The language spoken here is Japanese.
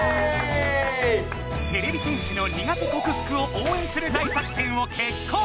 てれび戦士の苦手こくふくを応援する大作戦を決行。